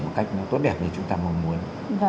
một cách tốt đẹp như chúng ta mong muốn